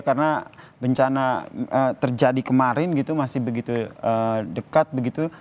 karena bencana terjadi kemarin gitu masih begitu dekat begitu